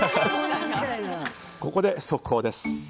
ここで速報です。